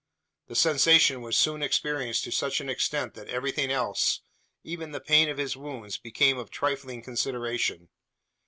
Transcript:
The sensation was soon experienced to such an extent that everything else even the pain of his wounds became of trifling consideration.